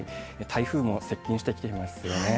台風も接近してきていますよね。